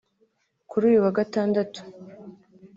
kuri uyu wa Gatandatu